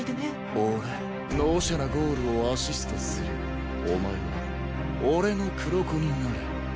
俺のオシャなゴールをアシストするお前は俺の黒子になれ蜂楽廻。